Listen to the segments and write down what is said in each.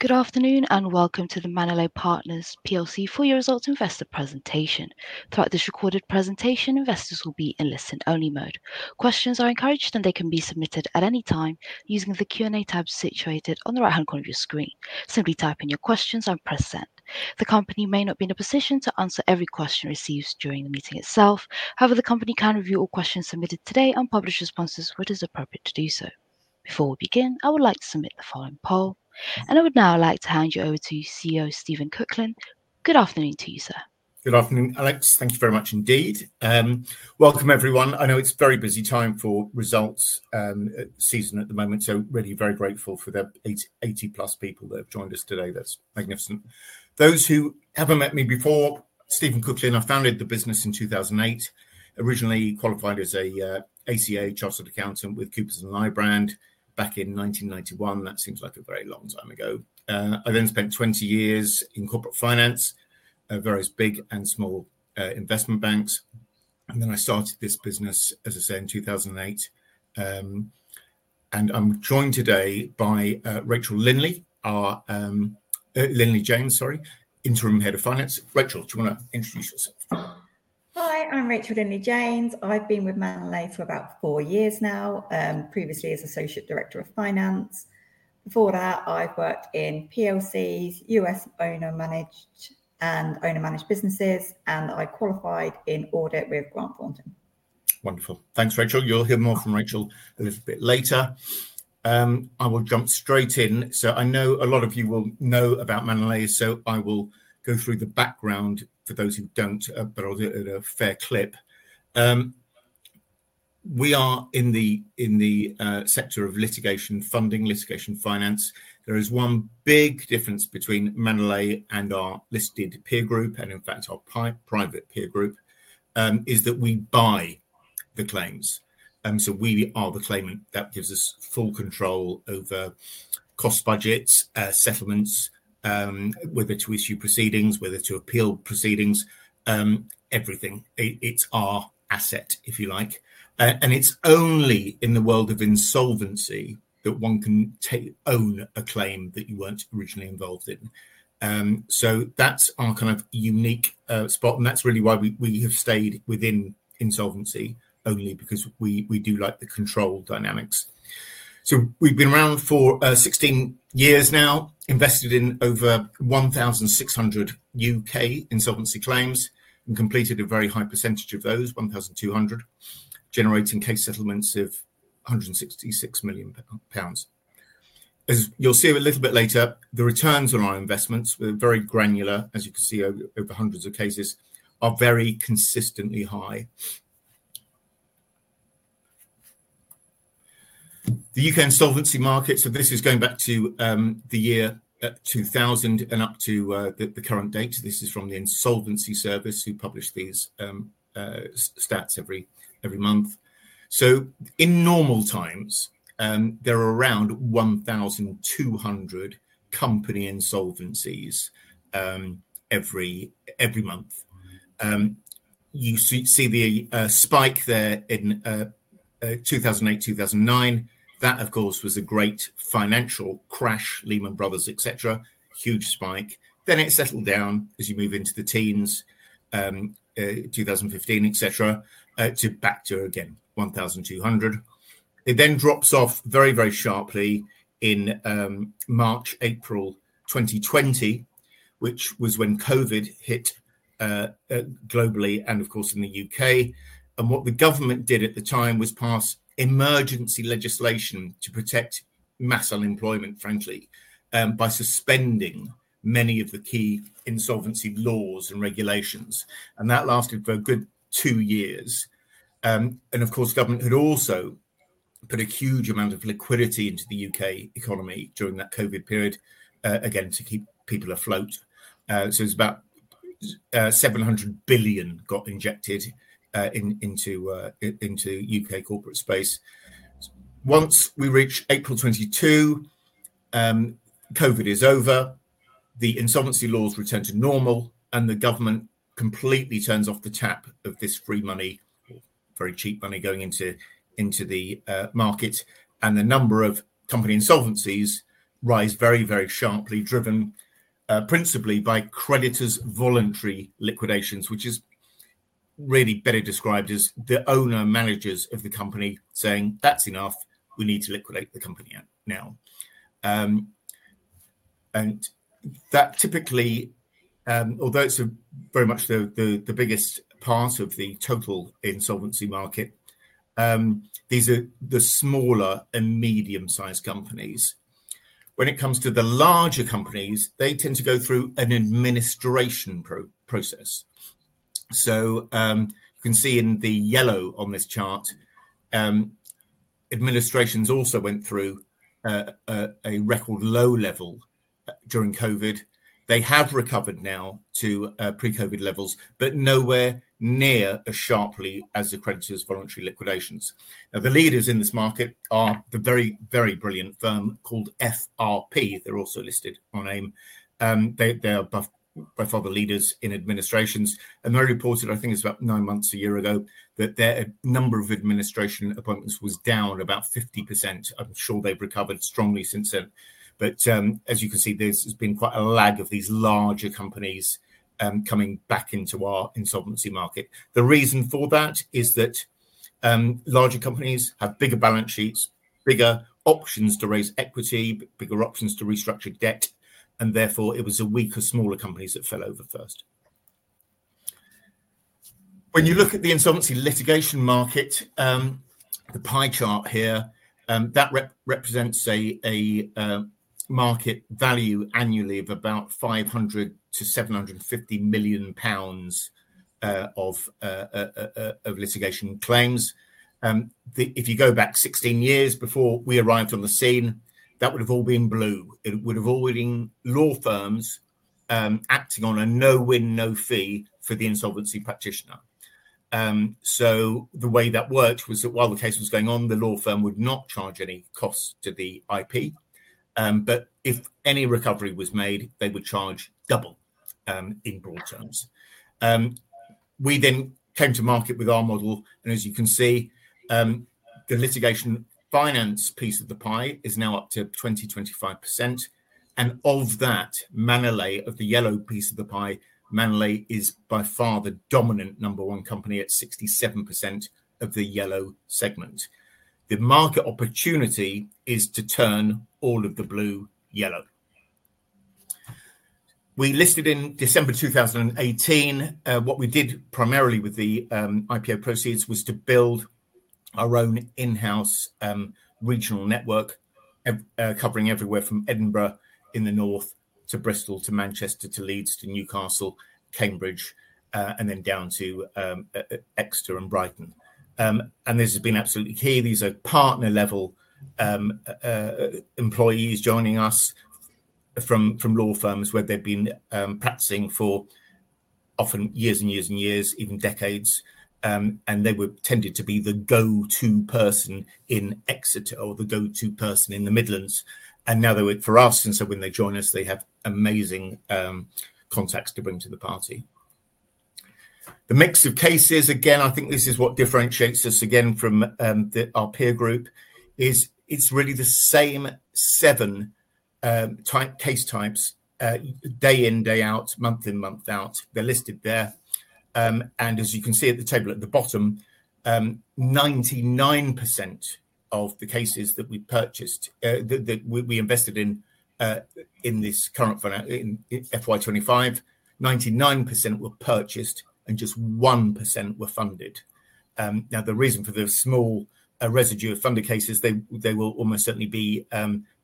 Good afternoon and welcome to the Manolete Partners Four-Year Results Investor presentation. Throughout this recorded presentation, investors will be in listen-only mode. Questions are encouraged, and they can be submitted at any time using the Q&A tab situated on the right-hand corner of your screen. Simply type in your questions and press send. The company may not be in a position to answer every question received during the meeting itself. However, the company can review all questions submitted today and publish responses where it is appropriate to do so. Before we begin, I would like to submit the following poll, and I would now like to hand you over to CEO Steven Cooklin. Good afternoon to you, sir. Good afternoon, Alex. Thank you very much indeed. Welcome, everyone. I know it's a very busy time for results season at the moment, so really very grateful for the 80-plus people that have joined us today. That's magnificent. Those who haven't met me before, Steven Cooklin, I founded the business in 2008, originally qualified as an ACA Chartered Accountant with Coopers and Lybrand back in 1991. That seems like a very long time ago. I then spent 20 years in corporate finance at various big and small investment banks. I started this business, as I say, in 2008. I am joined today by Rachel Lindley-Janes, Interim Head of Finance. Rachel, do you want to introduce yourself? Hi, I'm Rachel Lindley-Janes. I've been with Manolete for about four years now, previously as Associate Director of Finance. Before that, I've worked in PLCs, US owner-managed and owner-managed businesses, and I qualified in audit with Grant Thornton. Wonderful. Thanks, Rachel. You'll hear more from Rachel a little bit later. I will jump straight in. I know a lot of you will know about Manolete, so I will go through the background for those who don't, but I'll do it in a fair clip. We are in the sector of litigation funding, litigation finance. There is one big difference between Manolete and our listed peer group, and in fact, our private peer group, is that we buy the claims. We are the claimant. That gives us full control over cost budgets, settlements, whether to issue proceedings, whether to appeal proceedings, everything. It's our asset, if you like. It's only in the world of insolvency that one can own a claim that you weren't originally involved in. That's our kind of unique spot. That is really why we have stayed within insolvency only, because we do like the control dynamics. We have been around for 16 years now, invested in over 1,600 U.K. insolvency claims, and completed a very high percentage of those, 1,200, generating case settlements of 166 million pounds. As you will see a little bit later, the returns on our investments, we are very granular, as you can see over hundreds of cases, are very consistently high. The U.K. insolvency market, this is going back to the year 2000 and up to the current date. This is from the Insolvency Service who publish these stats every month. In normal times, there are around 1,200 company insolvencies every month. You see the spike there in 2008-2009. That, of course, was a great financial crash, Lehman Brothers, et cetera, huge spike. It settled down as you move into the teens, 2015, et cetera, to back to again 1,200. It then drops off very, very sharply in March, April 2020, which was when COVID hit globally and, of course, in the U.K. What the government did at the time was pass emergency legislation to protect mass unemployment, frankly, by suspending many of the key insolvency laws and regulations. That lasted for a good two years. Of course, government had also put a huge amount of liquidity into the U.K. economy during that COVID period, again, to keep people afloat. It is about 700 billion got injected into U.K. corporate space. Once we reach April 2022, COVID is over, the insolvency laws return to normal, and the government completely turns off the tap of this free money, very cheap money going into the market. The number of company insolvencies rise very, very sharply, driven principally by creditors' voluntary liquidations, which is really better described as the owner-managers of the company saying, "That's enough. We need to liquidate the company now." That typically, although it's very much the biggest part of the total insolvency market, these are the smaller and medium-sized companies. When it comes to the larger companies, they tend to go through an administration process. You can see in the yellow on this chart, administrations also went through a record low level during COVID. They have recovered now to pre-COVID levels, but nowhere near as sharply as the creditors' voluntary liquidations. The leaders in this market are the very, very brilliant firm called FRP. They're also listed on AIM. They are by far the leaders in administrations. They reported, I think it was about nine months, a year ago, that their number of administration appointments was down about 50%. I'm sure they've recovered strongly since then. As you can see, there's been quite a lag of these larger companies coming back into our insolvency market. The reason for that is that larger companies have bigger balance sheets, bigger options to raise equity, bigger options to restructure debt. Therefore, it was the weaker, smaller companies that fell over first. When you look at the insolvency litigation market, the pie chart here, that represents a market value annually of about 500 million-750 million pounds of litigation claims. If you go back 16 years before we arrived on the scene, that would have all been blue. It would have all been law firms acting on a no-win, no-fee for the insolvency practitioner. The way that worked was that while the case was going on, the law firm would not charge any costs to the IP. If any recovery was made, they would charge double in broad terms. We then came to market with our model. As you can see, the litigation finance piece of the pie is now up to 20-25%. Of that, Manolete, the yellow piece of the pie, Manolete is by far the dominant number one company at 67% of the yellow segment. The market opportunity is to turn all of the blue yellow. We listed in December 2018. What we did primarily with the IPO proceeds was to build our own in-house regional network covering everywhere from Edinburgh in the north to Bristol to Manchester to Leeds to Newcastle, Cambridge, and then down to Exeter and Brighton. This has been absolutely key. These are partner-level employees joining us from law firms where they've been practicing for often years and years and years, even decades. They tended to be the go-to person in Exeter or the go-to person in the Midlands. Now they're with us. When they join us, they have amazing contacts to bring to the party. The mix of cases, again, I think this is what differentiates us again from our peer group, is it's really the same seven case types, day in, day out, month in, month out. They're listed there. As you can see at the table at the bottom, 99% of the cases that we invested in this current FY2025, 99% were purchased and just 1% were funded. The reason for the small residue of funded cases, they will almost certainly be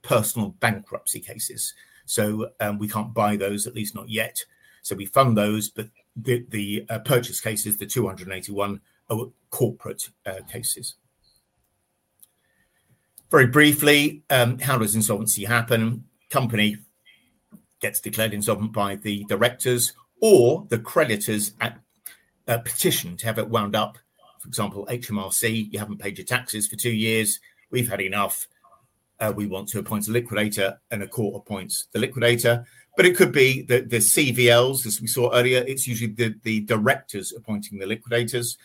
personal bankruptcy cases. We can't buy those, at least not yet. We fund those, but the purchase cases, the 281 are corporate cases. Very briefly, how does insolvency happen? Company gets declared insolvent by the directors or the creditors petition to have it wound up. For example, HMRC, you haven't paid your taxes for two years. We've had enough. We want to appoint a liquidator, and a court appoints the liquidator. It could be that the CVLs, as we saw earlier, it's usually the directors appointing the liquidators.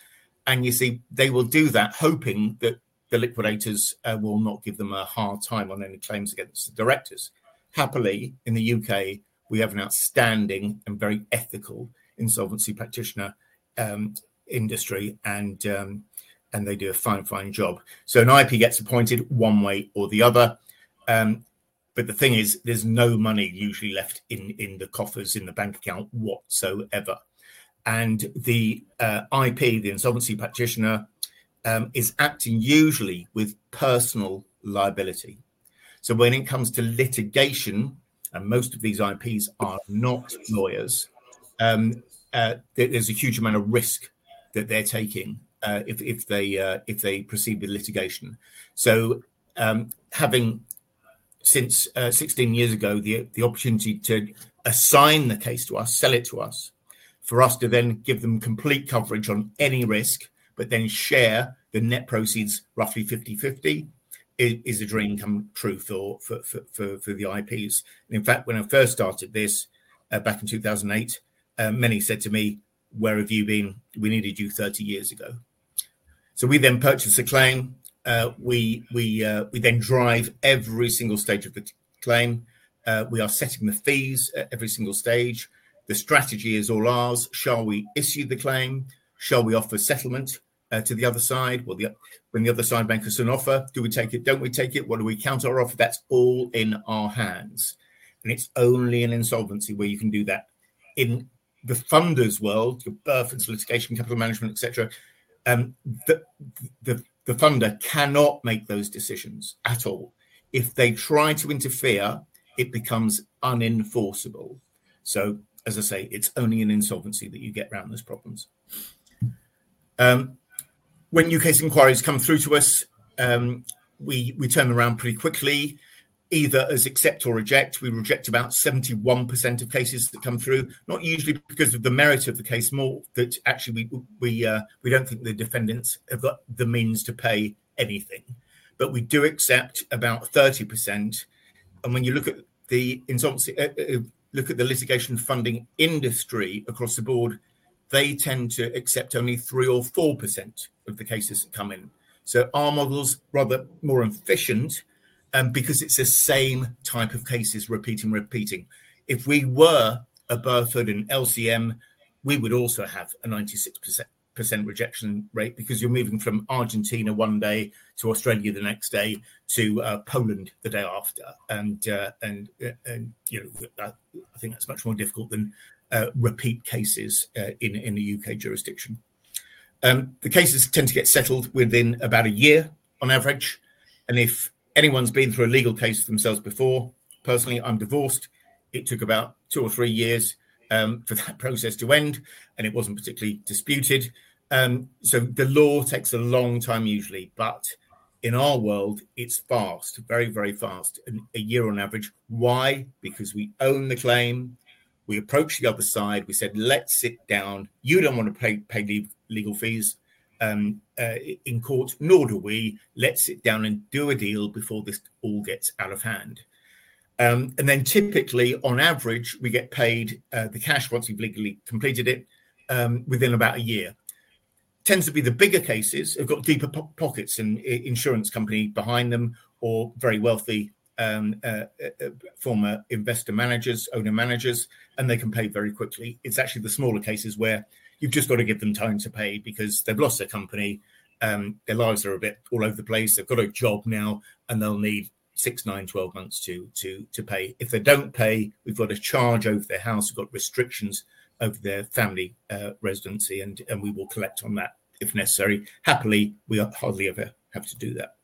You see, they will do that hoping that the liquidators will not give them a hard time on any claims against the directors. Happily, in the U.K., we have an outstanding and very ethical insolvency practitioner industry, and they do a fine, fine job. An IP gets appointed one way or the other. The thing is, there's no money usually left in the coffers in the bank account whatsoever. The IP, the insolvency practitioner, is acting usually with personal liability. When it comes to litigation, and most of these IPs are not lawyers, there's a huge amount of risk that they're taking if they proceed with litigation. Having since 16 years ago, the opportunity to assign the case to us, sell it to us, for us to then give them complete coverage on any risk, but then share the net proceeds, roughly 50/50, is a dream come true for the IPs. In fact, when I first started this back in 2008, many said to me, "Where have you been? We needed you 30 years ago." We then purchase a claim. We then drive every single stage of the claim. We are setting the fees at every single stage. The strategy is all ours. Shall we issue the claim? Shall we offer settlement to the other side? When the other side makes us an offer, do we take it? Do not we take it? What do we count our offer? That is all in our hands. It is only in insolvency where you can do that. In the funders' world, your birth and solicitation, capital management, et cetera, the funder cannot make those decisions at all. If they try to interfere, it becomes unenforceable. As I say, it is only in insolvency that you get around those problems. When U.K. inquiries come through to us, we turn around pretty quickly, either as accept or reject. We reject about 71% of cases that come through, not usually because of the merit of the case, more that actually we do not think the defendants have got the means to pay anything. We do accept about 30%. When you look at the litigation funding industry across the board, they tend to accept only 3% or 4% of the cases that come in. Our model's rather more efficient because it's the same type of cases repeating, repeating. If we were a Berthold and LCM, we would also have a 96% rejection rate because you're moving from Argentina one day to Australia the next day to Poland the day after. I think that's much more difficult than repeat cases in a U.K. jurisdiction. The cases tend to get settled within about a year on average. If anyone's been through a legal case themselves before, personally, I'm divorced, it took about two or three years for that process to end, and it wasn't particularly disputed. The law takes a long time usually, but in our world, it's fast, very, very fast, a year on average. Why? Because we own the claim. We approach the other side. We said, "Let's sit down. You don't want to pay legal fees in court, nor do we. Let's sit down and do a deal before this all gets out of hand." Typically, on average, we get paid the cash once we've legally completed it within about a year. Tends to be the bigger cases. They've got deeper pockets and an insurance company behind them or very wealthy former investor managers, owner managers, and they can pay very quickly. It's actually the smaller cases where you've just got to give them time to pay because they've lost their company. Their lives are a bit all over the place. They've got a job now, and they'll need 6, 9, 12 months to pay. If they don't pay, we've got a charge over their house. We've got restrictions over their family residency, and we will collect on that if necessary. Happily, we hardly ever have to do that.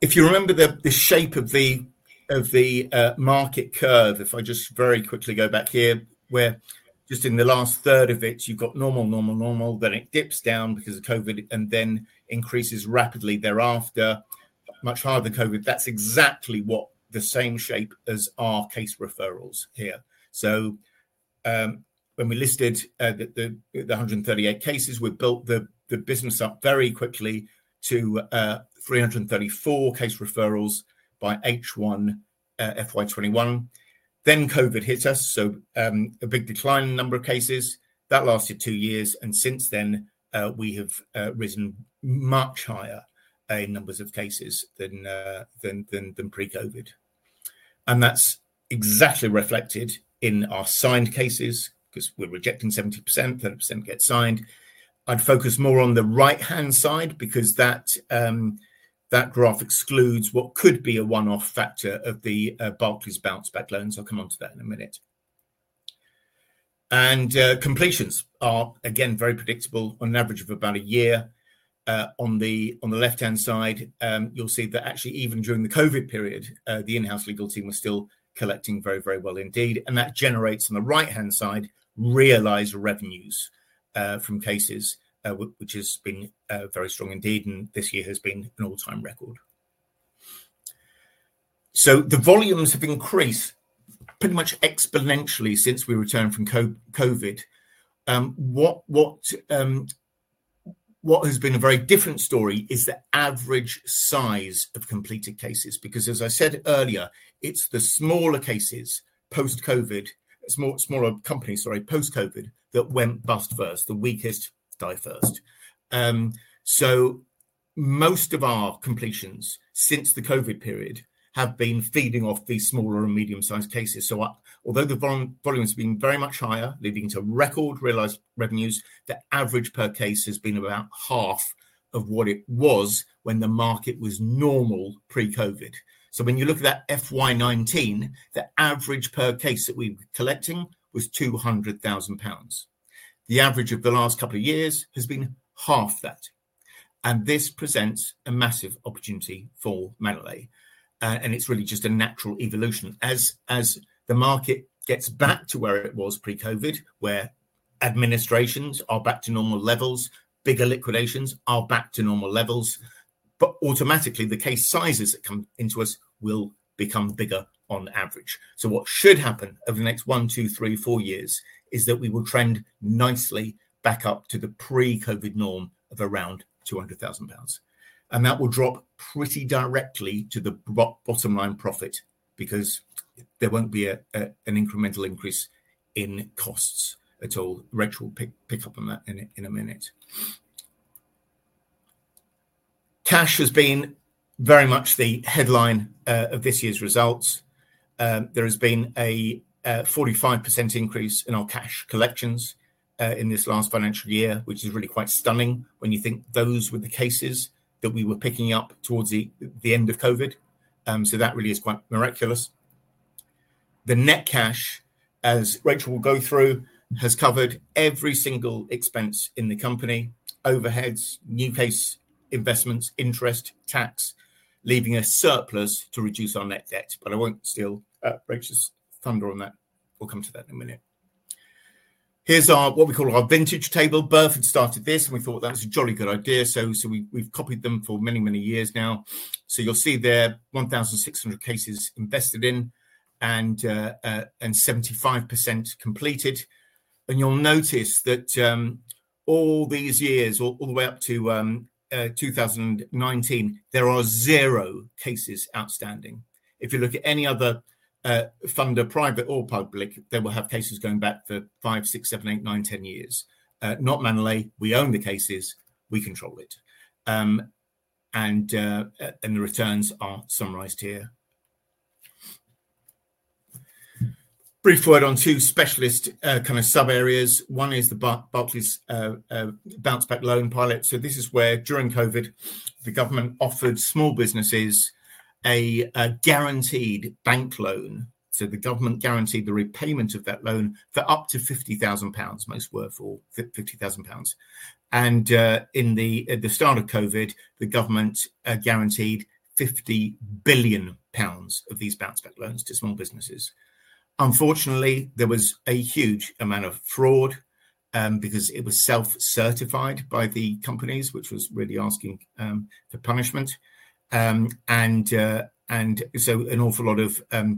If you remember the shape of the market curve, if I just very quickly go back here, we're just in the last third of it, you've got normal, normal, normal, then it dips down because of COVID and then increases rapidly thereafter, much harder than COVID. That's exactly the same shape as our case referrals here. When we listed the 138 cases, we built the business up very quickly to 334 case referrals by H1 FY2021. COVID hit us, so a big decline in number of cases. That lasted two years. Since then, we have risen much higher in numbers of cases than pre-COVID. That is exactly reflected in our signed cases because we are rejecting 70%, 30% get signed. I would focus more on the right-hand side because that graph excludes what could be a one-off factor of the Barclays bounce-back loans. I will come on to that in a minute. Completions are, again, very predictable on an average of about a year. On the left-hand side, you will see that actually even during the COVID period, the in-house legal team was still collecting very, very well indeed. That generates on the right-hand side, realized revenues from cases, which has been very strong indeed, and this year has been an all-time record. The volumes have increased pretty much exponentially since we returned from COVID. What has been a very different story is the average size of completed cases. Because as I said earlier, it's the smaller cases post-COVID, smaller companies, sorry, post-COVID that went bust first, the weakest die first. Most of our completions since the COVID period have been feeding off these smaller and medium-sized cases. Although the volumes have been very much higher, leading to record realized revenues, the average per case has been about half of what it was when the market was normal pre-COVID. When you look at that FY2019, the average per case that we were collecting was 200,000 pounds. The average of the last couple of years has been half that. This presents a massive opportunity for Manolete. It's really just a natural evolution. As the market gets back to where it was pre-COVID, where administrations are back to normal levels, bigger liquidations are back to normal levels, automatically, the case sizes that come into us will become bigger on average. What should happen over the next one, two, three, four years is that we will trend nicely back up to the pre-COVID norm of around 200,000 pounds. That will drop pretty directly to the bottom line profit because there will not be an incremental increase in costs at all. Rachel will pick up on that in a minute. Cash has been very much the headline of this year's results. There has been a 45% increase in our cash collections in this last financial year, which is really quite stunning when you think those were the cases that we were picking up towards the end of COVID. That really is quite miraculous. The net cash, as Rachel will go through, has covered every single expense in the company: overheads, new case investments, interest, tax, leaving a surplus to reduce our net debt. I will not steal Rachel's thunder on that. We will come to that in a minute. Here is what we call our vintage table. Berthold started this, and we thought that was a jolly good idea. We have copied them for many, many years now. You will see there are 1,600 cases invested in and 75% completed. You will notice that all these years, all the way up to 2019, there are zero cases outstanding. If you look at any other funder, private or public, they will have cases going back for 5, 6, 7, 8, 9, 10 years. Not Manolete. We own the cases. We control it. The returns are summarized here. Brief word on two specialist kind of sub-areas. One is the Barclays bounce-back loan pilot. This is where during COVID, the government offered small businesses a guaranteed bank loan. The government guaranteed the repayment of that loan for up to 50,000 pounds, most worthful, 50,000 pounds. In the start of COVID, the government guaranteed 50 billion pounds of these bounce-back loans to small businesses. Unfortunately, there was a huge amount of fraud because it was self-certified by the companies, which was really asking for punishment. An awful lot of that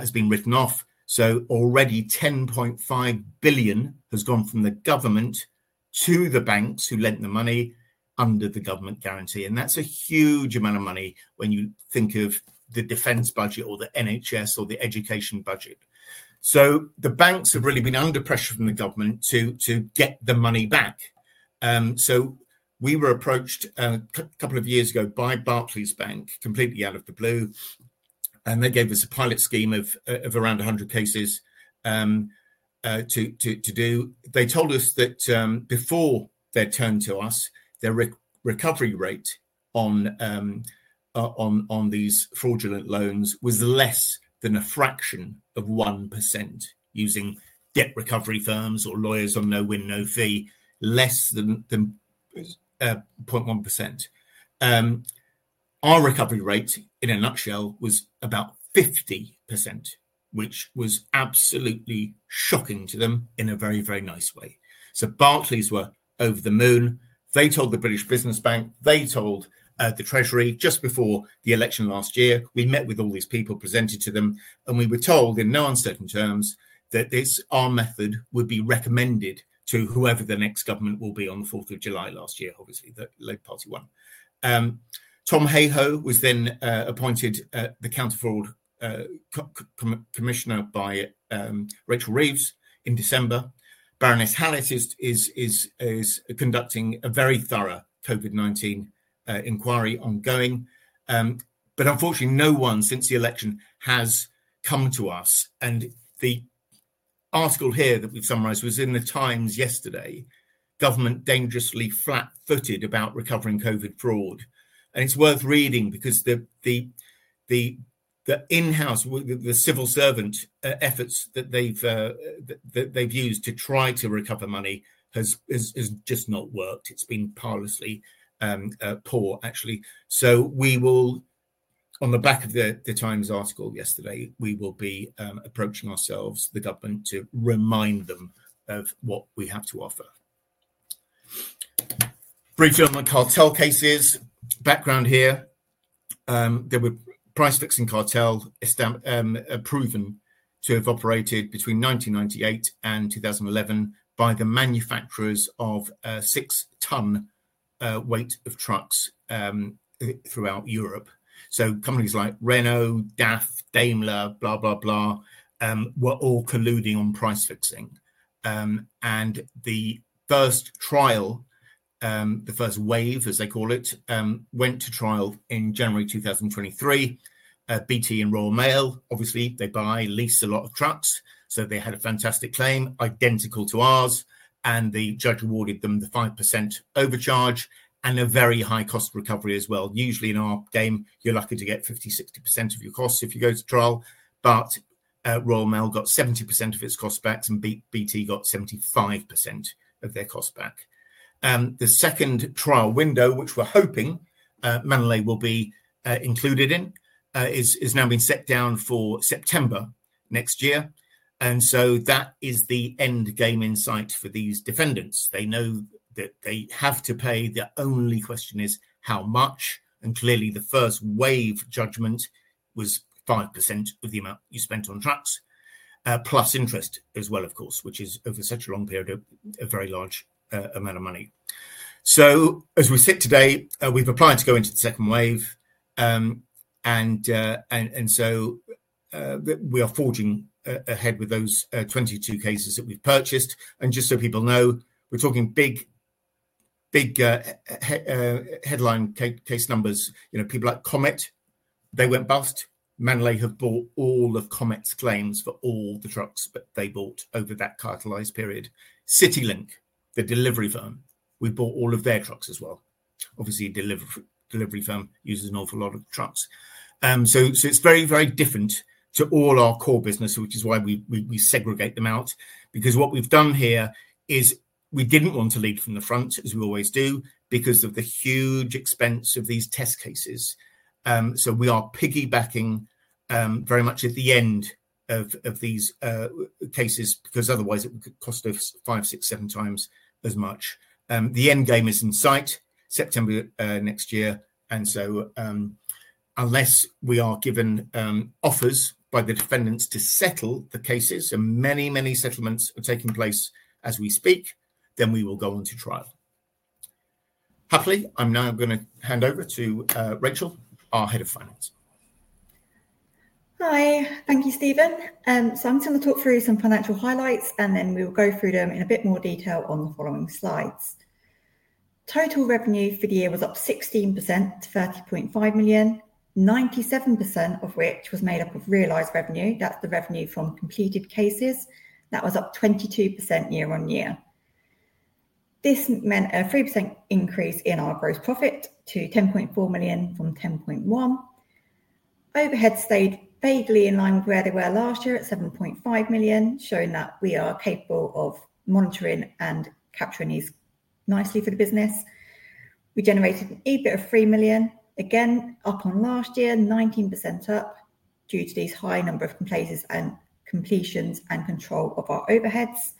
has been written off. Already 10.5 billion has gone from the government to the banks who lent the money under the government guarantee. That is a huge amount of money when you think of the defense budget or the NHS or the education budget. The banks have really been under pressure from the government to get the money back. We were approached a couple of years ago by Barclays Bank completely out of the blue. They gave us a pilot scheme of around 100 cases to do. They told us that before they turned to us, their recovery rate on these fraudulent loans was less than a fraction of 1% using debt recovery firms or lawyers on no win, no fee, less than 0.1%. Our recovery rate, in a nutshell, was about 50%, which was absolutely shocking to them in a very, very nice way. Barclays were over the moon. They told the British Business Bank. They told the Treasury just before the election last year. We met with all these people, presented to them, and we were told in no uncertain terms that our method would be recommended to whoever the next government will be on the 4th of July last year. Obviously, the Labor Party won. Tom Hayhoe was then appointed the counter fraud commissioner by Rachel Reeves in December. Baroness Hallis is conducting a very thorough COVID-19 inquiry ongoing. Unfortunately, no one since the election has come to us. The article here that we've summarized was in the Times yesterday, "Government Dangerously Flat-Footed About Recovering COVID Fraud." It's worth reading because the in-house, the civil servant efforts that they've used to try to recover money has just not worked. It's been powerlessly poor, actually. On the back of the Times article yesterday, we will be approaching ourselves, the government, to remind them of what we have to offer. Bridge Element Cartel cases, background here. There were price-fixing cartels proven to have operated between 1998 and 2011 by the manufacturers of six-ton weight of trucks throughout Europe. Companies like Renault, DAF, Daimler, were all colluding on price-fixing. The first trial, the first wave, as they call it, went to trial in January 2023. BT and Royal Mail, obviously, they buy, lease a lot of trucks. They had a fantastic claim, identical to ours. The judge awarded them the 5% overcharge and a very high cost recovery as well. Usually, in our game, you're lucky to get 50-60% of your costs if you go to trial. Royal Mail got 70% of its cost back, and BT got 75% of their cost back. The second trial window, which we're hoping Manolete will be included in, is now being set down for September next year. That is the end game in sight for these defendants. They know that they have to pay. The only question is how much. Clearly, the first wave judgment was 5% of the amount you spent on trucks, plus interest as well, of course, which is over such a long period, a very large amount of money. As we sit today, we've applied to go into the second wave. We are forging ahead with those 22 cases that we've purchased. Just so people know, we're talking big headline case numbers. People like Comet, they went bust. Manolete have bought all of Comet's claims for all the trucks that they bought over that cartelized period. CityLink, the delivery firm, we bought all of their trucks as well. Obviously, a delivery firm uses an awful lot of trucks. It is very, very different to all our core business, which is why we segregate them out. Because what we have done here is we did not want to lead from the front, as we always do, because of the huge expense of these test cases. We are piggybacking very much at the end of these cases because otherwise, it would cost us five, six, seven times as much. The end game is in sight, September next year. Unless we are given offers by the defendants to settle the cases, and many, many settlements are taking place as we speak, we will go into trial. Happily, I am now going to hand over to Rachel, our Head of Finance. Hi. Thank you, Steven. I'm just going to talk through some financial highlights, and then we'll go through them in a bit more detail on the following slides. Total revenue for the year was up 16% to 30.5 million, 97% of which was made up of realized revenue. That's the revenue from completed cases. That was up 22% year on year. This meant a 3% increase in our gross profit to 10.4 million from 10.1 million. Overhead stayed vaguely in line with where they were last year at 7.5 million, showing that we are capable of monitoring and capturing these nicely for the business. We generated an EBIT of 3 million. Again, up on last year, 19% up due to these high number of places and completions and control of our overheads.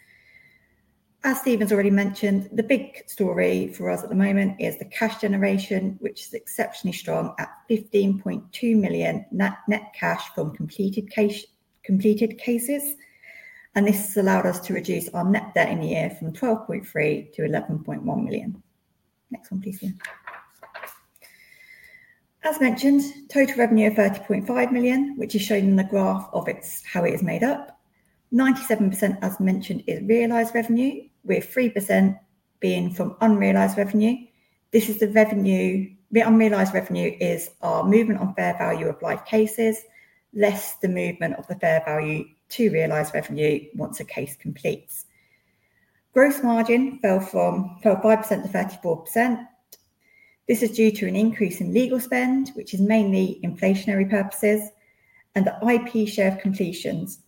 As Steven's already mentioned, the big story for us at the moment is the cash generation, which is exceptionally strong at 15.2 million net cash from completed cases. This has allowed us to reduce our net debt in the year from 12.3 million to 11.1 million. Next one, please, Steven. As mentioned, total revenue of 30.5 million, which is shown in the graph of how it is made up. 97%, as mentioned, is realized revenue, with 3% being from unrealized revenue. This is the revenue. The unrealized revenue is our movement on fair value of live cases less the movement of the fair value to realized revenue once a case completes. Gross margin fell from 12.5% to 34%. This is due to an increase in legal spend, which is mainly inflationary purposes, and the IP share of completions.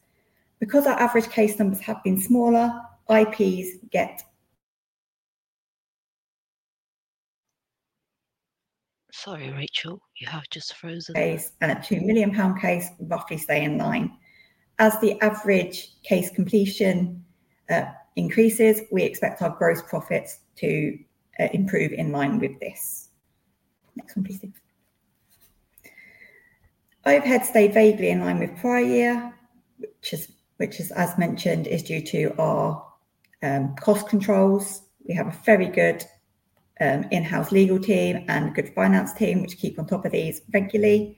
Because our average case numbers have been smaller, IPs get. Sorry, Rachel. You have just frozen. Case and a 2 million pound case roughly stay in line. As the average case completion increases, we expect our gross profits to improve in line with this. Next one, please, Steven. Overhead stayed vaguely in line with prior year, which is, as mentioned, due to our cost controls. We have a very good in-house legal team and good finance team which keep on top of these regularly.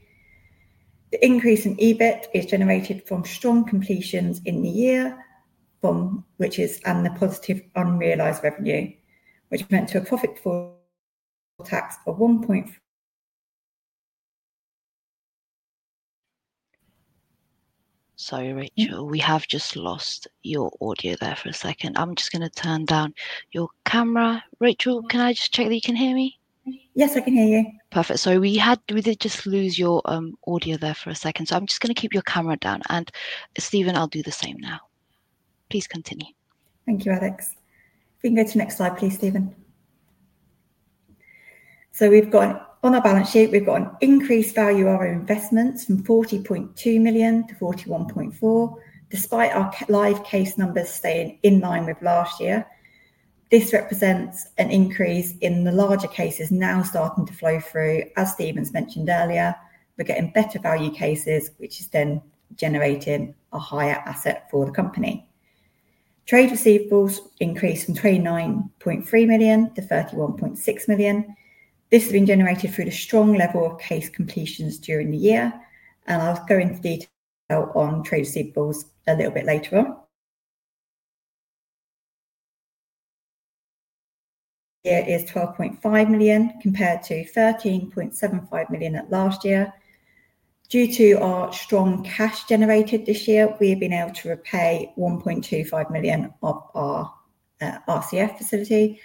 The increase in EBIT is generated from strong completions in the year, which is the positive unrealized revenue, which went to a profit for tax of 1.4 million. Sorry, Rachel. We have just lost your audio there for a second. I'm just going to turn down your camera. Rachel, can I just check that you can hear me? Yes, I can hear you. Perfect. Sorry, we did just lose your audio there for a second. I'm just going to keep your camera down. And Steven, I'll do the same now. Please continue. Thank you, Alex. If you can go to the next slide, please, Steven. On our balance sheet, we've got an increased value of our investments from 40.2 million to 41.4 million, despite our live case numbers staying in line with last year. This represents an increase in the larger cases now starting to flow through, as Steven's mentioned earlier. We're getting better value cases, which is then generating a higher asset for the company. Trade receivables increased from 29.3 million to 31.6 million. This has been generated through the strong level of case completions during the year. I'll go into detail on trade receivables a little bit later on. Here is 12.5 million compared to 13.75 million last year. Due to our strong cash generated this year, we have been able to repay 1.25 million of our RCF facility.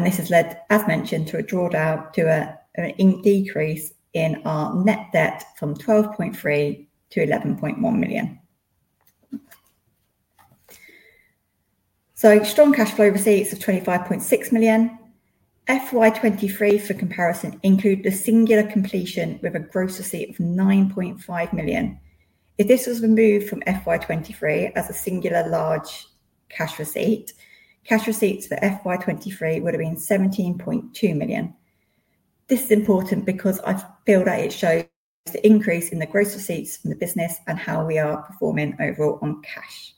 This has led, as mentioned, to a decrease in our net debt from 12.3 million to 11.1 million. Strong cash flow receipts of 25.6 million. FY2023, for comparison, included a singular completion with a gross receipt of 9.5 million. If this was removed from FY2023 as a singular large cash receipt, cash receipts for FY2023 would have been 17.2 million. This is important because I feel that it shows the increase in the gross receipts from the business and how we are performing overall on cash.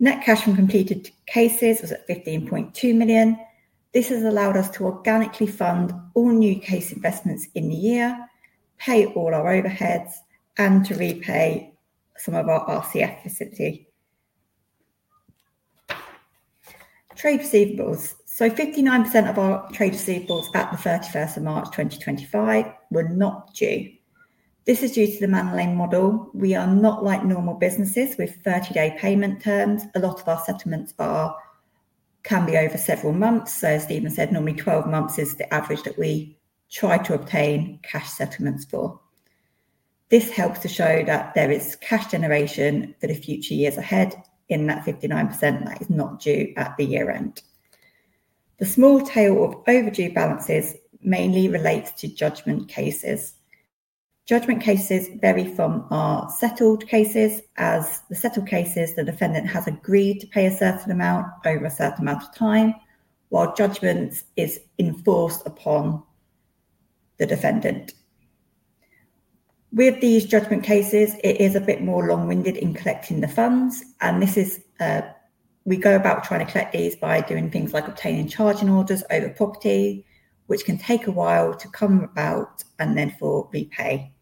Net cash from completed cases was at 15.2 million. This has allowed us to organically fund all new case investments in the year, pay all our overheads, and to repay some of our RCF facility. Trade receivables. Fifty-nine percent of our trade receivables at the 31st of March 2025 were not due. This is due to the Manolete model. We are not like normal businesses with 30-day payment terms. A lot of our settlements can be over several months. As Steven said, normally twelve months is the average that we try to obtain cash settlements for. This helps to show that there is cash generation for the future years ahead in that 59% that is not due at the year-end. The small tail of overdue balances mainly relates to judgment cases. Judgment cases vary from our settled cases, as the settled cases, the defendant has agreed to pay a certain amount over a certain amount of time, while judgment is enforced upon the defendant. With these judgment cases, it is a bit more long-winded in collecting the funds. We go about trying to collect these by doing things like obtaining charging orders over property, which can take a while to come about and then for repay.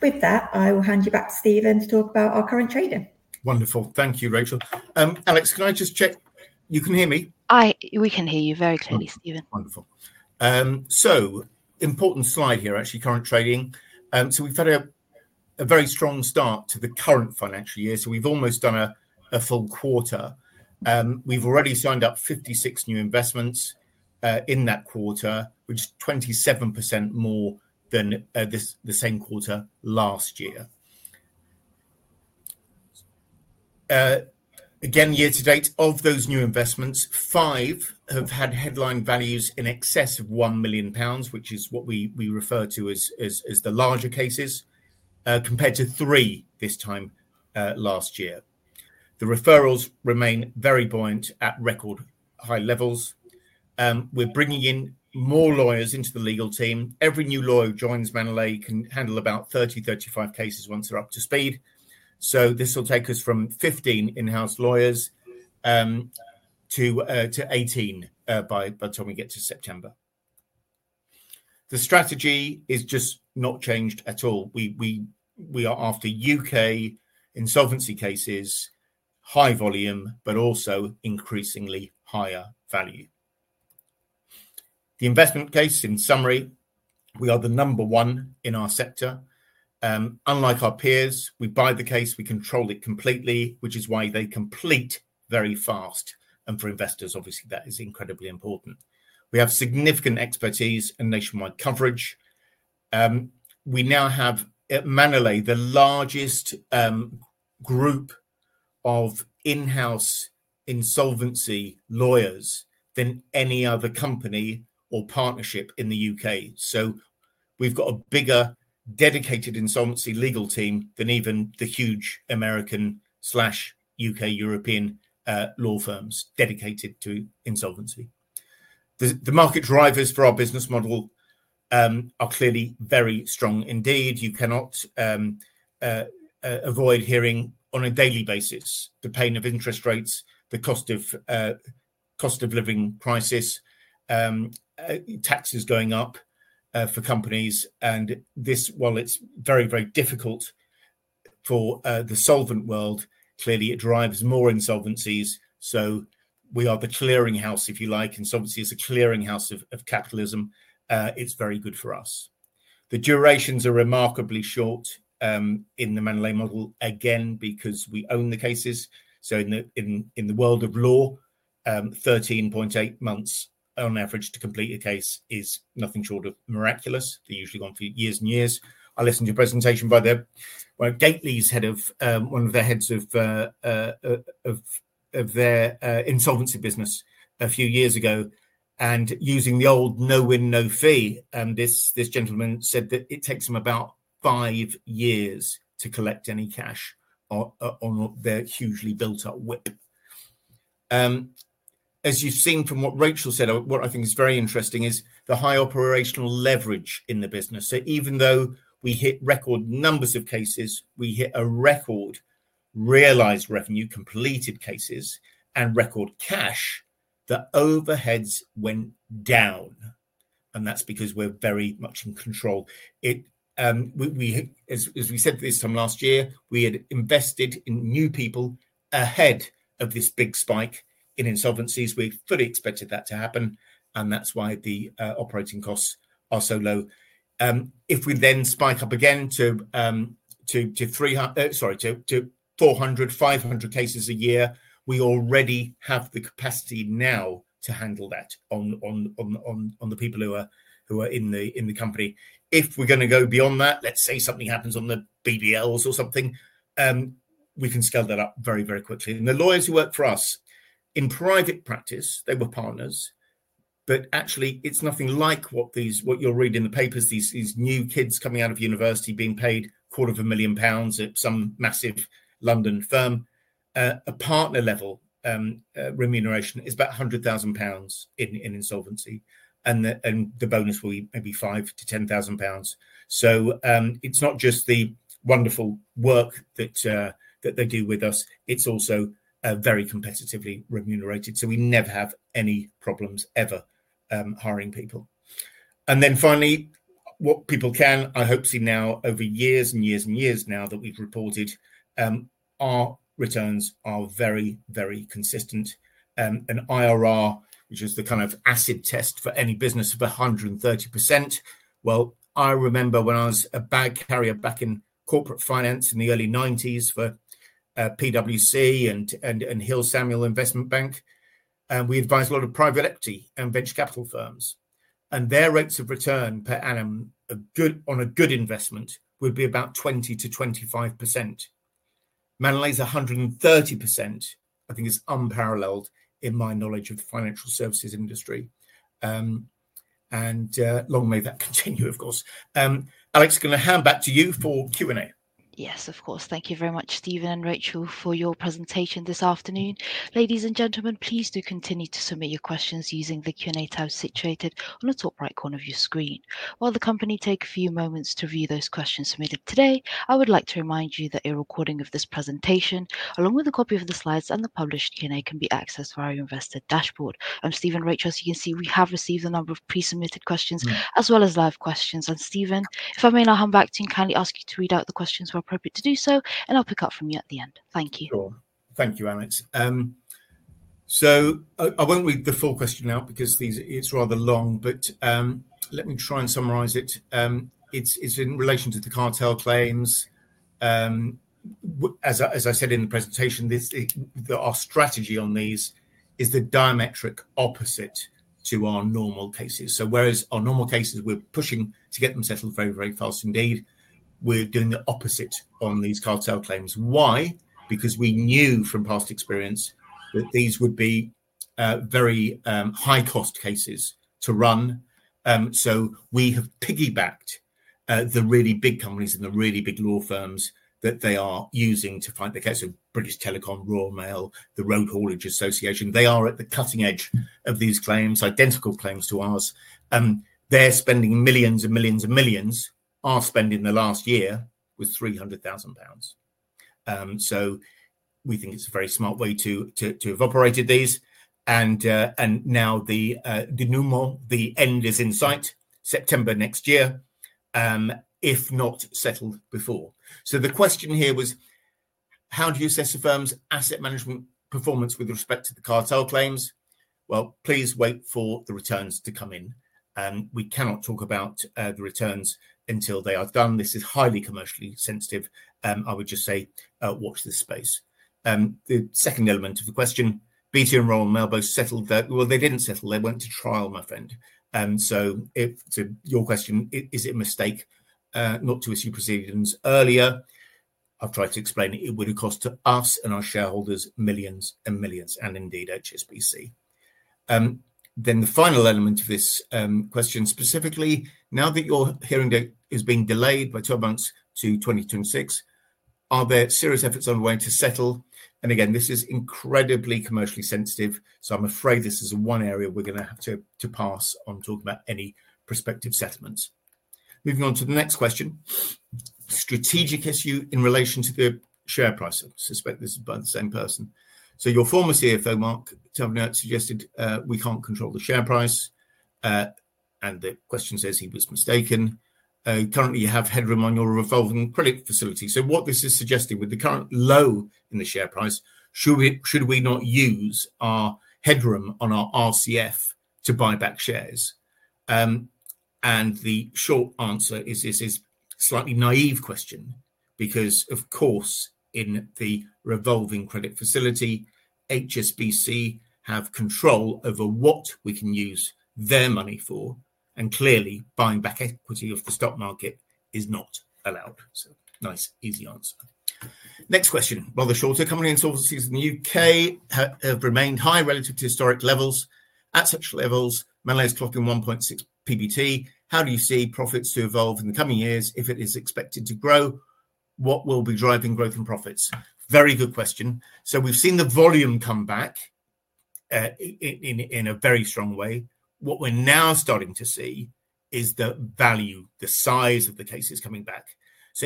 With that, I will hand you back to Steven to talk about our current trading. Wonderful. Thank you, Rachel. Alex, can I just check? You can hear me? We can hear you very clearly, Steven. Wonderful. Important slide here, actually, current trading. We have had a very strong start to the current financial year. We have almost done a full quarter. We have already signed up 56 new investments in that quarter, which is 27% more than the same quarter last year. Again, year-to-date of those new investments, five have had headline values in excess of 1 million pounds, which is what we refer to as the larger cases, compared to three this time last year. The referrals remain very buoyant at record high levels. We're bringing in more lawyers into the legal team. Every new lawyer who joins Manolete can handle about 30-35 cases once they're up to speed. This will take us from 15 in-house lawyers to 18 by the time we get to September. The strategy is just not changed at all. We are after U.K. insolvency cases, high volume, but also increasingly higher value. The investment case, in summary, we are the number one in our sector. Unlike our peers, we buy the case. We control it completely, which is why they complete very fast. For investors, obviously, that is incredibly important. We have significant expertise and nationwide coverage. We now have at Manolete the largest group of in-house insolvency lawyers than any other company or partnership in the U.K. We have a bigger dedicated insolvency legal team than even the huge American, U.K., and European law firms dedicated to insolvency. The market drivers for our business model are clearly very strong. Indeed, you cannot avoid hearing on a daily basis the pain of interest rates, the cost of living crisis, taxes going up for companies. While it is very, very difficult for the solvent world, clearly, it drives more insolvencies. We are the clearing house, if you like. Insolvency is a clearing house of capitalism. It is very good for us. The durations are remarkably short in the Manolete model, again, because we own the cases. In the world of law, 13.8 months on average to complete a case is nothing short of miraculous. They usually go on for years and years. I listened to your presentation, by the way, Gately's head of one of the heads of their insolvency business a few years ago. Using the old no-win, no-fee, this gentleman said that it takes them about five years to collect any cash on their hugely built-up WIP. As you've seen from what Rachel said, what I think is very interesting is the high operational leverage in the business. Even though we hit record numbers of cases, we hit a record realized revenue, completed cases, and record cash, the overheads went down. That is because we're very much in control. As we said this time last year, we had invested in new people ahead of this big spike in insolvencies. We fully expected that to happen. That is why the operating costs are so low. If we then spike up again to 300, sorry, to 400-500 cases a year, we already have the capacity now to handle that on the people who are in the company. If we're going to go beyond that, let's say something happens on the BBLs or something, we can scale that up very, very quickly. The lawyers who work for us, in private practice, they were partners. Actually, it's nothing like what you'll read in the papers, these new kids coming out of university being paid $250,000 at some massive London firm. At partner level, remuneration is about 100,000 pounds in insolvency. The bonus will be maybe 5,000-10,000 pounds. It's not just the wonderful work that they do with us. It's also very competitively remunerated. We never have any problems ever hiring people. Then finally, what people can, I hope, see now over years and years and years now that we have reported, our returns are very, very consistent. An IRR, which is the kind of acid test for any business, of 130%. I remember when I was a bag carrier back in corporate finance in the early 1990s for PwC and Hill Samuel Investment Bank, we advised a lot of private equity and venture capital firms. Their rates of return per annum on a good investment would be about 20%-25%. Manolete's 130%, I think, is unparalleled in my knowledge of the financial services industry. Long may that continue, of course. Alex, I am going to hand back to you for Q&A. Yes, of course. Thank you very much, Steven and Rachel, for your presentation this afternoon. Ladies and gentlemen, please do continue to submit your questions using the Q&A tab situated on the top right corner of your screen. While the company takes a few moments to review those questions submitted today, I would like to remind you that a recording of this presentation, along with a copy of the slides and the published Q&A, can be accessed via our investor dashboard. I'm Steven, Rachel, so you can see we have received a number of pre-submitted questions as well as live questions. And Steven, if I may now hand back to you and kindly ask you to read out the questions where appropriate to do so, and I'll pick up from you at the end. Thank you. Sure. Thank you, Alex. I won't read the full question out because it's rather long, but let me try and summarize it. It's in relation to the cartel claims. As I said in the presentation, our strategy on these is the diametric opposite to our normal cases. Whereas our normal cases, we're pushing to get them settled very, very fast indeed, we're doing the opposite on these cartel claims. Why? Because we knew from past experience that these would be very high-cost cases to run. We have piggybacked the really big companies and the really big law firms that they are using to fight the case, so BT, Royal Mail, the Road Haulage Association. They are at the cutting edge of these claims, identical claims to ours. They're spending millions and millions and millions. Our spending the last year was 300,000 pounds. We think it's a very smart way to have operated these. Now the end is in sight, September next year, if not settled before. The question here was, how do you assess a firm's asset management performance with respect to the cartel claims? Please wait for the returns to come in. We cannot talk about the returns until they are done. This is highly commercially sensitive. I would just say, watch this space. The second element of the question, BT and Royal Mail both settled. They did not settle. They went to trial, my friend. To your question, is it a mistake not to issue proceedings earlier? I have tried to explain it. It would have cost us and our shareholders millions and millions, and indeed HSBC. The final element of this question specifically, now that your hearing date is being delayed by 12 months to 2026, are there serious efforts underway to settle? Again, this is incredibly commercially sensitive. I'm afraid this is one area we're going to have to pass on talking about any prospective settlements. Moving on to the next question, strategic issue in relation to the share price. I suspect this is by the same person. Your former CFO, Mark Turbenaerts, suggested we can't control the share price. The question says he was mistaken. Currently, you have headroom on your revolving credit facility. What this is suggesting with the current low in the share price, should we not use our headroom on our RCF to buy back shares? The short answer is this is a slightly naive question because, of course, in the revolving credit facility, HSBC have control over what we can use their money for. Clearly, buying back equity off the stock market is not allowed. Nice, easy answer. Next question. While the shorter company insolvencies in the U.K. have remained high relative to historic levels, at such levels, Manolete's clocking 1.6 million PBT. How do you see profits to evolve in the coming years if it is expected to grow? What will be driving growth in profits? Very good question. We've seen the volume come back in a very strong way. What we're now starting to see is the value, the size of the cases coming back.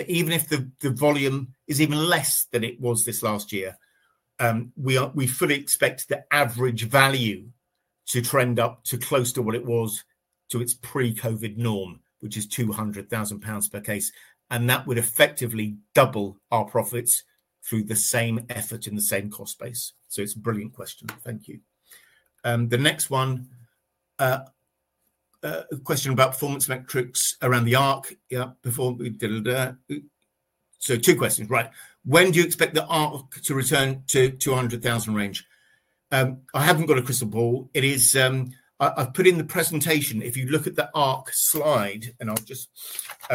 Even if the volume is even less than it was this last year, we fully expect the average value to trend up to close to what it was to its pre-COVID norm, which is 200,000 pounds per case. That would effectively double our profits through the same effort in the same cost space. It's a brilliant question. Thank you. The next one, a question about performance metrics around the arc. Two questions, right? When do you expect the arc to return to the 200,000 range? I haven't got a crystal ball. I've put in the presentation. If you look at the arc slide, and I'll just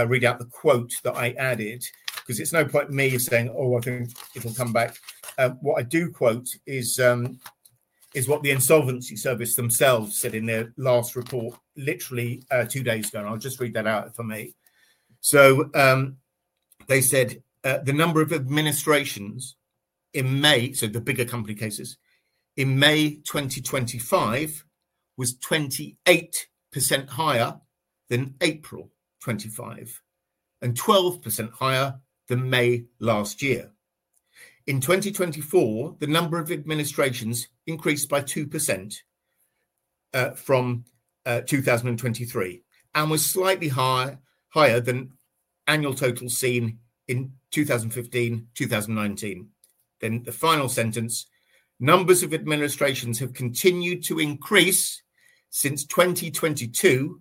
read out the quote that I added, because it's no point me saying, "Oh, I think it'll come back." What I do quote is what the Insolvency Service themselves said in their last report, literally two days ago. I'll just read that out for me. They said the number of administrations in May, so the bigger company cases, in May 2024 was 28% higher than April 2024 and 12% higher than May last year. In 2024, the number of administrations increased by 2% from 2023 and was slightly higher than annual totals seen in 2015, 2019. The final sentence, numbers of administrations have continued to increase since 2022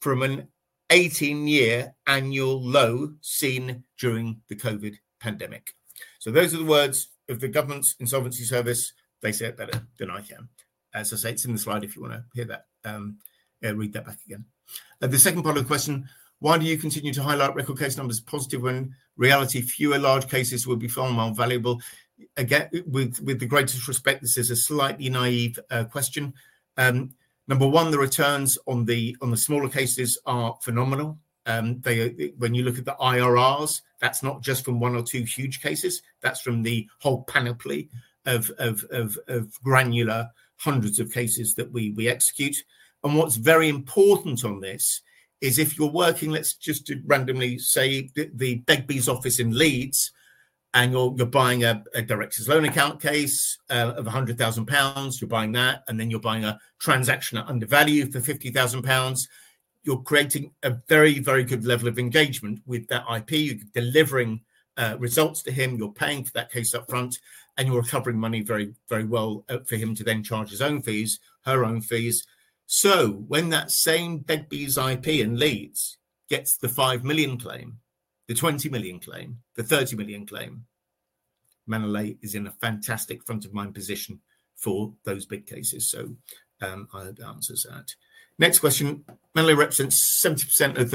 from an 18-year annual low seen during the COVID pandemic. Those are the words of the government's insolvency service. They say it better than I can. As I say, it's in the slide if you want to hear that, read that back again. The second part of the question, why do you continue to highlight record case numbers positive when reality fewer large cases will be far more valuable? With the greatest respect, this is a slightly naive question. Number one, the returns on the smaller cases are phenomenal. When you look at the IRRs, that's not just from one or two huge cases. That's from the whole panoply of granular hundreds of cases that we execute. What's very important on this is if you're working, let's just randomly say the Begbies office in Leeds, and you're buying a director's loan account case of 100,000 pounds, you're buying that, and then you're buying a transaction under value for 50,000 pounds, you're creating a very, very good level of engagement with that IP. You're delivering results to him. You're paying for that case upfront, and you're recovering money very, very well for him to then charge his own fees, her own fees. When that same Begbies IP in Leeds gets the 5 million claim, the 20 million claim, the 30 million claim, Manolete is in a fantastic front-of-mind position for those big cases. I hope the answer's that. Next question, Manolete represents 70% of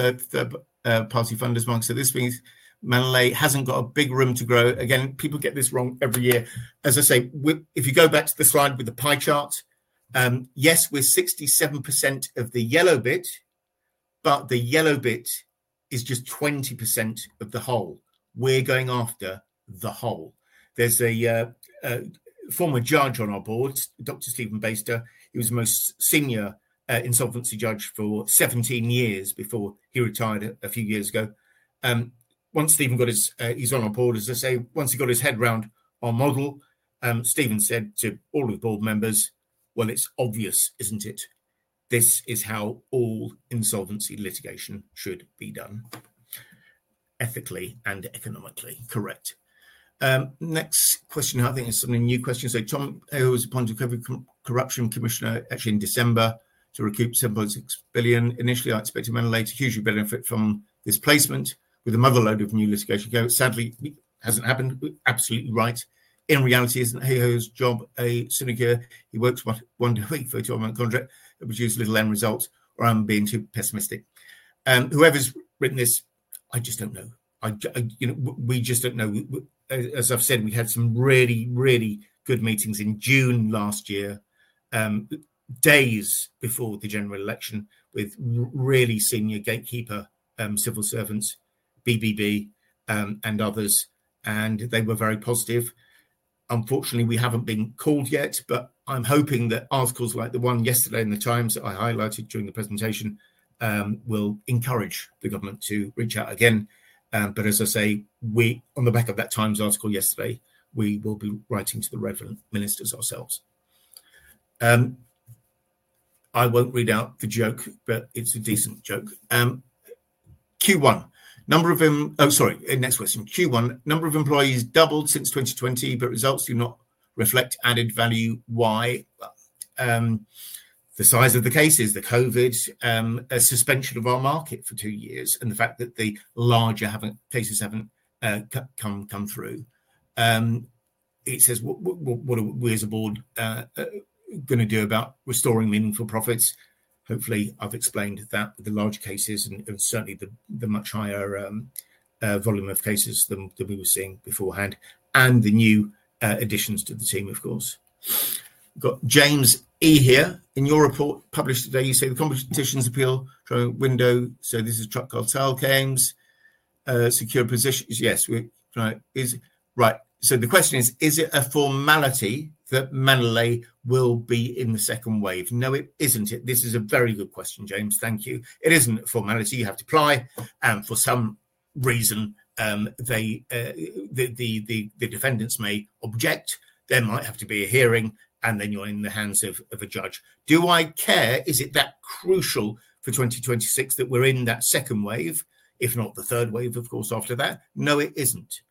third-party funders, Mark. This means Manolete hasn't got a big room to grow. Again, people get this wrong every year. As I say, if you go back to the slide with the pie chart, yes, we're 67% of the yellow bit, but the yellow bit is just 20% of the whole. We're going after the whole. There's a former judge on our board, Dr. Steven Baister. He was the most senior insolvency judge for 17 years before he retired a few years ago. Once Steven got his eyes on our board, as I say, once he got his head around our model, Steven said to all of the board members, "Well, it's obvious, isn't it? This is how all insolvency litigation should be done." Ethically and economically, correct. Next question, I think is something new question. Tom, who was appointed corruption commissioner actually in December to recoup 7.6 billion. Initially, I expected Manolete to hugely benefit from this placement with a motherload of new litigation. Sadly, it hasn't happened. Absolutely right. In reality, isn't he his job a snooker? He works one day a week for a 12-month contract that produced little end results. Or I'm being too pessimistic. Whoever's written this, I just don't know. We just don't know. As I've said, we had some really, really good meetings in June last year, days before the general election with really senior gatekeeper civil servants, BBB and others. They were very positive. Unfortunately, we haven't been called yet, but I'm hoping that articles like the one yesterday in the Times that I highlighted during the presentation will encourage the government to reach out again. As I say, on the back of that Times article yesterday, we will be writing to the relevant ministers ourselves. I won't read out the joke, but it's a decent joke. Q1, number of—oh, sorry, next question. Q1, number of employees doubled since 2020, but results do not reflect added value. Why? The size of the cases, the COVID, a suspension of our market for two years, and the fact that the larger cases have not come through. It says, "What are we as a board going to do about restoring meaningful profits?" Hopefully, I have explained that with the large cases and certainly the much higher volume of cases than we were seeing beforehand. The new additions to the team, of course. We have got James E here. In your report published today, you say the competition's appeal window. This is truck cartel claims, secure positions. Yes. Right. The question is, is it a formality that Manolete will be in the second wave? No, it is not. This is a very good question, James. Thank you. It is not a formality. You have to apply. For some reason, the defendants may object. There might have to be a hearing, and then you're in the hands of a judge. Do I care? Is it that crucial for 2026 that we're in that second wave, if not the third wave, of course, after that? No, it isn't.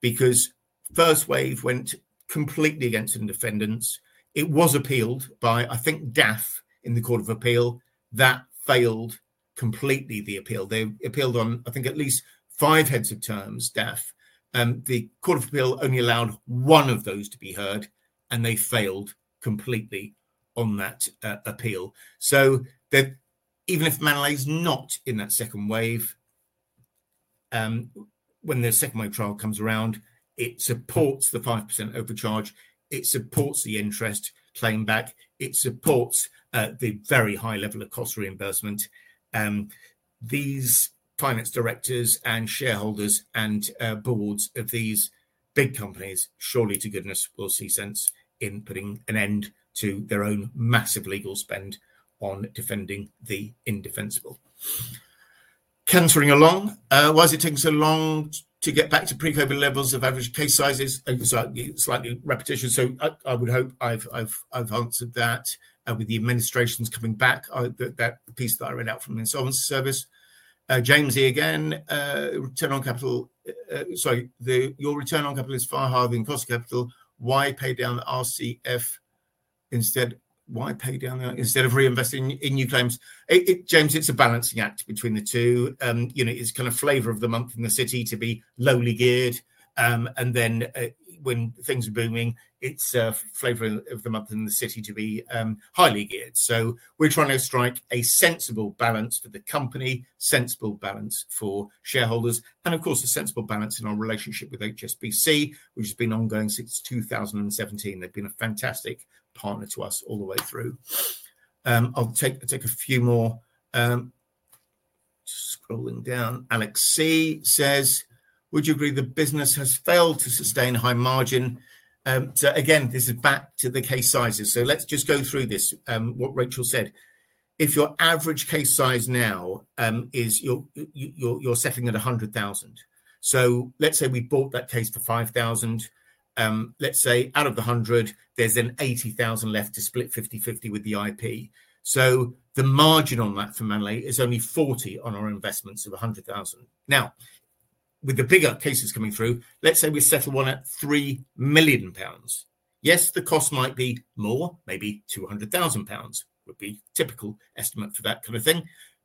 Because first wave went completely against the defendants. It was appealed by, I think, DAF in the Court of Appeal. That failed completely, the appeal. They appealed on, I think, at least five heads of terms, DAF. The Court of Appeal only allowed one of those to be heard, and they failed completely on that appeal. Even if Manolete is not in that second wave, when the second wave trial comes around, it supports the 5% overcharge. It supports the interest claim back. It supports the very high level of cost reimbursement. These finance directors and shareholders and boards of these big companies surely, to goodness, will see sense in putting an end to their own massive legal spend on defending the indefensible. Cancelling along. Why does it take so long to get back to pre-COVID levels of average case sizes? Slightly repetition. I would hope I've answered that with the administrations coming back, that piece that I read out from the insolvency service. James E again, return on capital—sorry, your return on capital is far higher than cost capital. Why pay down the RCF instead? Why pay down the—instead of reinvesting in new claims? James, it's a balancing act between the two. It's kind of flavor of the month in the city to be lowly geared. And then when things are booming, it's a flavor of the month in the city to be highly geared. We're trying to strike a sensible balance for the company, sensible balance for shareholders. Of course, a sensible balance in our relationship with HSBC, which has been ongoing since 2017. They've been a fantastic partner to us all the way through. I'll take a few more. Scrolling down. Alex C says, "Would you agree the business has failed to sustain high margin?" This is back to the case sizes. Let's just go through this, what Rachel said. If your average case size now is you're settling at 100,000. Let's say we bought that case for 5,000. Let's say out of the 100, there's then 80,000 left to split 50/50 with the IP. The margin on that for Manolete is only 40,000 on our investment of 100,000. Now, with the bigger cases coming through, let's say we settle one at 3 million pounds. Yes, the cost might be more, maybe 200,000 pounds would be a typical estimate for that kind of thing.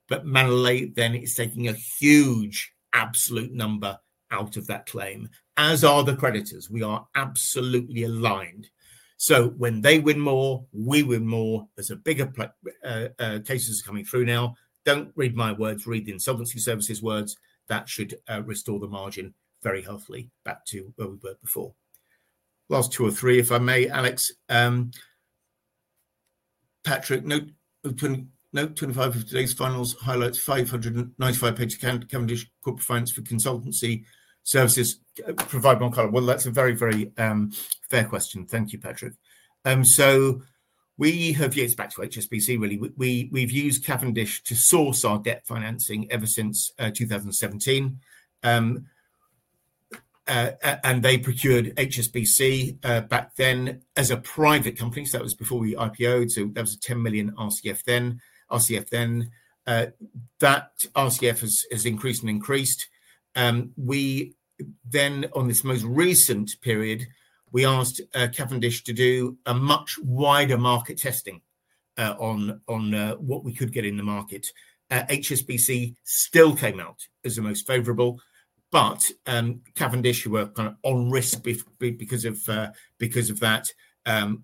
But Manolete then is taking a huge absolute number out of that claim, as are the creditors. We are absolutely aligned. So when they win more, we win more. There are bigger cases coming through now. Do not read my words. Read the Insolvency Service's words. That should restore the margin very healthily back to where we were before. Last two or three, if I may, Alex. Patrick, note 25 of today's finals highlights 595,000 Cavendish Corporate Finance for consultancy services provided by Carl. That is a very, very fair question. Thank you, Patrick. We have, it is back to HSBC, really. We have used Cavendish to source our debt financing ever since 2017. They procured HSBC back then as a private company. That was before we IPOed. That was a 10 million RCF then. That RCF has increased and increased. On this most recent period, we asked Cavendish to do a much wider market testing on what we could get in the market. HSBC still came out as the most favorable, but Cavendish, who were kind of on risk because of that,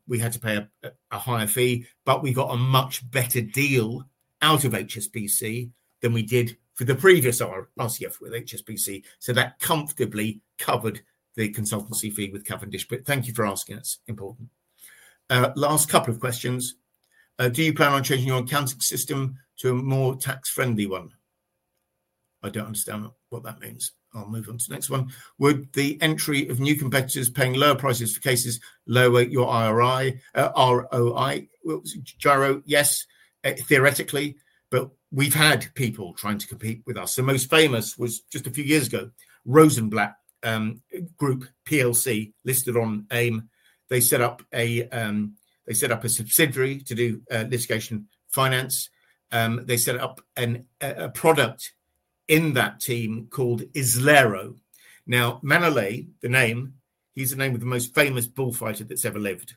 we had to pay a higher fee. We got a much better deal out of HSBC than we did for the previous RCF with HSBC. That comfortably covered the consultancy fee with Cavendish. Thank you for asking us. Important. Last couple of questions. Do you plan on changing your accounting system to a more tax-friendly one? I don't understand what that means. I'll move on to the next one. Would the entry of new competitors paying lower prices for cases lower your ROI? Jairo, yes, theoretically, but we've had people trying to compete with us. The most famous was just a few years ago. Rosenblatt Group, listed on AIM. They set up a subsidiary to do litigation finance. They set up a product in that team called Islero. Now, Manolete, the name, he's the name of the most famous bullfighter that's ever lived.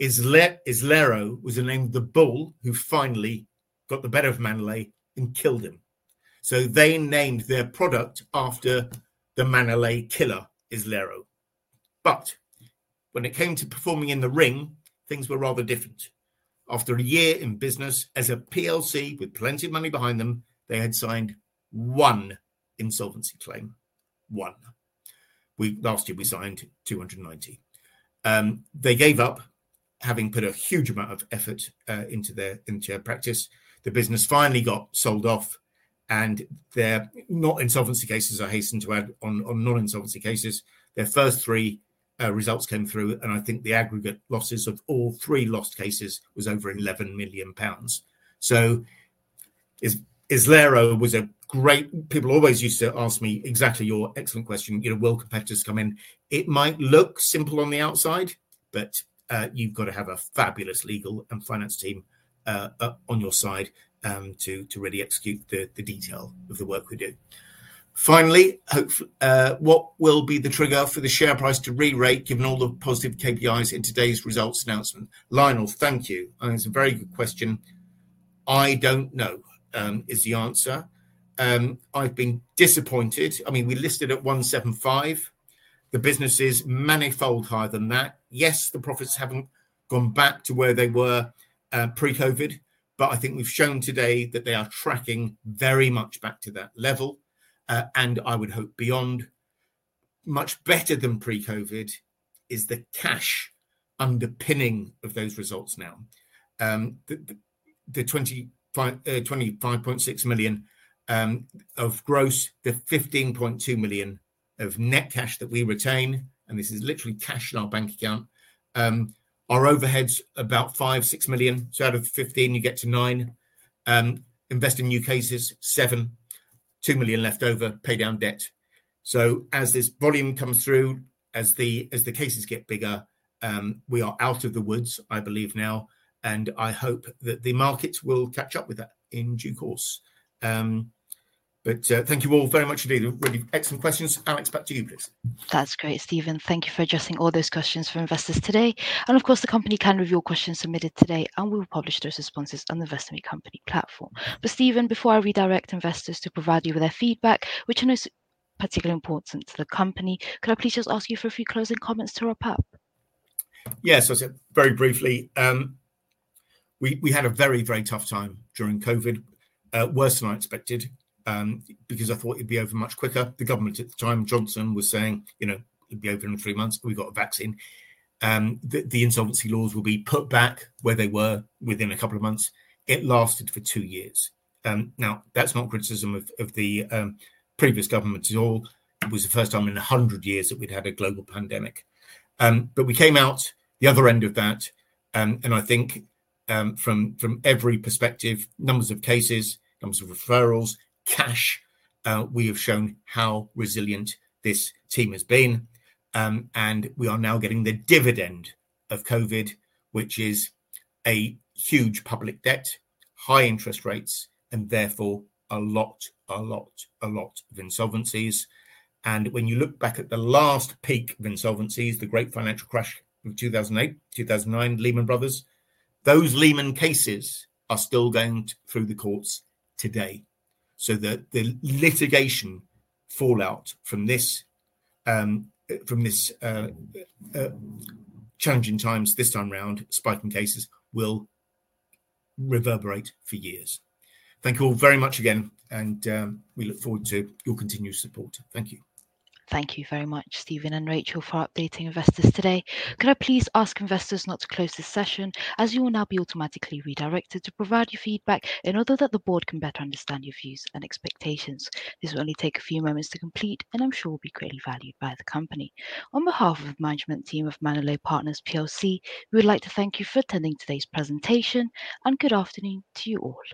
Islero was the name of the bull who finally got the better of Manolete and killed him. They named their product after the Manolete killer, Islero. When it came to performing in the ring, things were rather different. After a year in business as a public company with plenty of money behind them, they had signed one insolvency claim. One. Last year, we signed 290. They gave up, having put a huge amount of effort into their practice. The business finally got sold off. Their non-insolvency cases, I hasten to add, on non-insolvency cases, their first three results came through. I think the aggregate losses of all three lost cases were over 11 million pounds. Islero was a great—people always used to ask me exactly your excellent question. Will competitors come in? It might look simple on the outside, but you have to have a fabulous legal and finance team on your side to really execute the detail of the work we do. Finally, what will be the trigger for the share price to re-rate, given all the positive KPIs in today's results announcement? Lionel, thank you. I think it is a very good question. I do not know is the answer. I have been disappointed. I mean, we listed at 1.75. The business is manyfold higher than that. Yes, the profits haven't gone back to where they were pre-COVID, but I think we've shown today that they are tracking very much back to that level. I would hope beyond. Much better than pre-COVID is the cash underpinning of those results now. The 25.6 million of gross, the 15.2 million of net cash that we retain, and this is literally cash in our bank account, our overhead's about 5-6 million. Out of 15, you get to 9. Invest in new cases, 7. 2 million left over, pay down debt. As this volume comes through, as the cases get bigger, we are out of the woods, I believe, now. I hope that the markets will catch up with that in due course. Thank you all very much indeed. Really excellent questions. Alex, back to you, please. That's great, Steven. Thank you for addressing all those questions for investors today. The company can review your questions submitted today, and we will publish those responses on the Vesemir Company platform. Steven, before I redirect investors to provide you with their feedback, which I know is particularly important to the company, could I please just ask you for a few closing comments to wrap up? I'll say very briefly. We had a very, very tough time during COVID, worse than I expected, because I thought it'd be over much quicker. The government at the time, Johnson, was saying it'd be over in three months. We've got a vaccine. The insolvency laws will be put back where they were within a couple of months. It lasted for two years. That is not criticism of the previous government at all. It was the first time in 100 years that we'd had a global pandemic. We came out the other end of that. I think from every perspective, numbers of cases, numbers of referrals, cash, we have shown how resilient this team has been. We are now getting the dividend of COVID, which is a huge public debt, high interest rates, and therefore a lot, a lot, a lot of insolvencies. When you look back at the last peak of insolvencies, the great financial crash of 2008, 2009, Lehman Brothers, those Lehman cases are still going through the courts today. The litigation fallout from these challenging times this time around, spiking cases, will reverberate for years. Thank you all very much again, and we look forward to your continued support. Thank you. Thank you very much, Steven and Rachel, for updating investors today. Could I please ask investors not to close this session, as you will now be automatically redirected to provide your feedback in order that the board can better understand your views and expectations? This will only take a few moments to complete, and I'm sure it will be greatly valued by the company. On behalf of the management team of Manolete Partners, we would like to thank you for attending today's presentation, and good afternoon to you all.